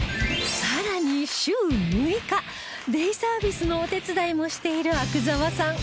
さらに週６回デイサービスのお手伝いもしている阿久澤さん